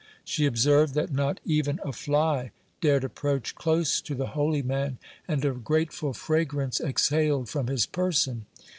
She observed that not even a fly dared approach close to the holy man, and a grateful fragrance exhaled from his person.